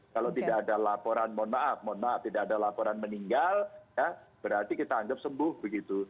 kalau tidak ada laporan mohon maaf mohon maaf tidak ada laporan meninggal ya berarti kita anggap sembuh begitu